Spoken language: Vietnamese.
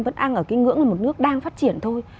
vẫn ăn ở cái ngưỡng là một nước đang phát triển thôi